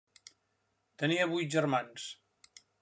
Tenia vuit germans.